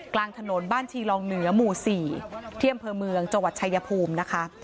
กลางถนนบ้านชีลองเหนือหมู่๔ที่อำเภอเมืองจังหวัดชายภูมินะคะ